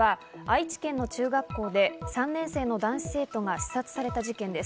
続いては、愛知県の中学校で３年生の男子生徒が刺殺された事件です。